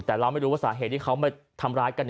แต่เราไม่รู้ว่าสาเหตุที่เขามาทำร้ายกัน